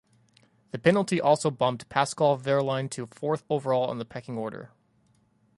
This penalty also bumped Pascal Wehrlein to fourth overall in the pecking order.